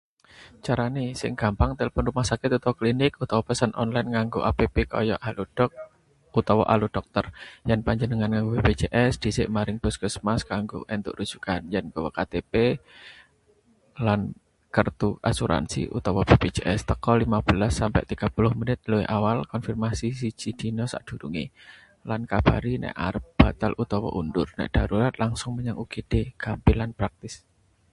Carane: sing gampang telpon rumah sakit utawa klinik, utawa pesen online nganggo app kaya HaloDoc utawa Alodokter. Yen panjenengan nganggo BPJS, dhisik maring puskesmas kanggo entuk rujukan. Yen Nggawa KTP lan kertu asuransi utawa BPJS, teka limabelsa sampe tigapuluh menit luwih awal. Konfirmasi siji dina sadurunge, lan kabari nek arep batal utawa undur. Nek darurat, langsung menyang UGD. Gampil lan praktis.